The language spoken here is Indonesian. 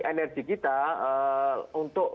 energi kita untuk